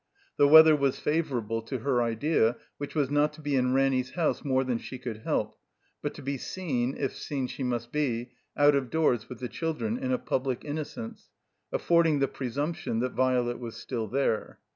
The weather was favorable to her idea, which was not to be in Ranny's house more than she could help, but to be seen, if seen she mtist be, out of doors with the children, in a pubUc innocence, affording the presumption that Violet was still there.